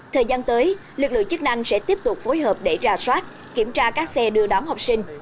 thời gian tới lực lượng chức năng sẽ tiếp tục phối hợp để ra soát kiểm tra các xe đưa đón học sinh